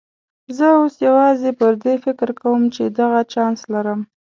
زه اوس یوازې پر دې فکر کوم چې دغه چانس لرم.